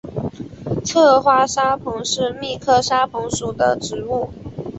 侧花沙蓬是苋科沙蓬属的植物。